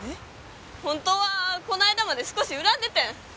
本当はこの間まで少し恨んでてん。